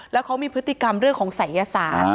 แล้วเขามีพฤติกรรมเรื่องของศัยศาสตร์